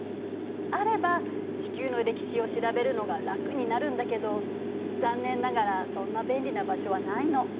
あれば地球の歴史を調べるのが楽になるんだけど残念ながらそんな便利な場所はないの。